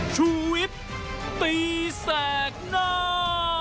ชุวิตตีแสกหน้า